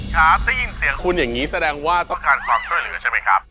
ครับได้ยินเสียงคุณอย่างนี้แสดงว่าต้องการความช่วยเหลือใช่ไหมครับ